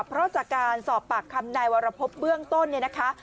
เพราะจากการสอบปากคำนายวรพบเบื้องต้นเนี่ยนะคะ